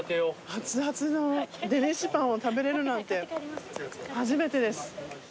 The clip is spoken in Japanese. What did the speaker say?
熱々のデニッシュパンを食べれるなんて初めてです。